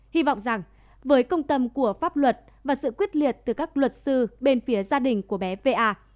hy vọng rằng với công tâm của pháp luật và sự quyết liệt từ các luật sư bên phía gia đình của bé va